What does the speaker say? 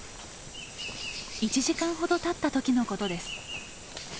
１時間ほどたった時のことです。